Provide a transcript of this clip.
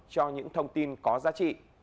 cho những thông tin có giá trị